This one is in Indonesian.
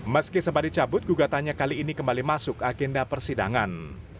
meski sempat dicabut gugatannya kali ini kembali masuk agenda persidangan